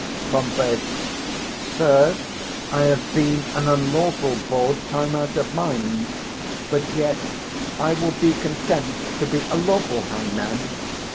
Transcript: Pom. Sir, I have been an unlawful bawd time out of mind; but yet I will be content to be a lawful hangman.